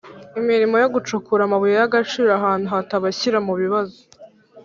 imirimo yo gucukura amabuye y’ agaciro ahantu hatabashyira mu bibazo